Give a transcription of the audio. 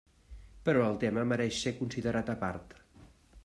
Però el tema mereix ser considerat a part.